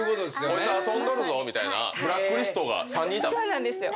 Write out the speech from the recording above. こいつ遊んどるぞみたいなブラックリストが３人いた。